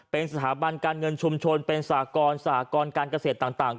เป็นสถาบันการเงินชุมชนเป็นสากรสหกรการเกษตรต่าง